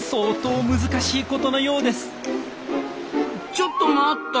ちょっと待った！